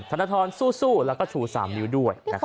ธนทรสู้แล้วก็ชู๓นิ้วด้วย